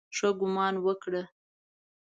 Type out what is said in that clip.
ښه ګومان وکړه.